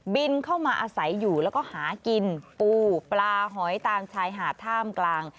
บินเข้ามาอาศัยอยู่แล้วก็หากินปูปลาหอยตามชายหาดท่ามกลาง